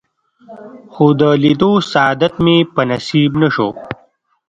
خو د لیدو سعادت مې په نصیب نه شو.